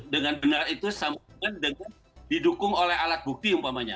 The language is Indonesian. dengan benar itu sama dengan didukung oleh alat bukti umpamanya